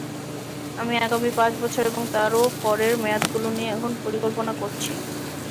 আমি আগামী পাঁচ বছর এবং তারও পরের মেয়াদগুলো নিয়ে এখন পরিকল্পনা করছি।